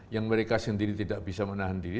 yang mereka sendiri tidak bisa menahan diri